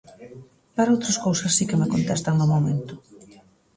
Para outras cousas si que me contestan no momento.